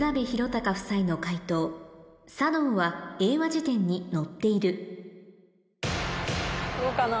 嵩夫妻の解答ｓａｄｏは英和辞典に載っているどうかな？